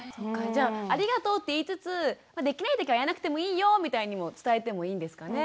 じゃあありがとうって言いつつできないときはやらなくてもいいよみたいにも伝えてもいいんですかね？